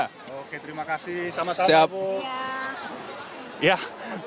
oke terima kasih sama sama bu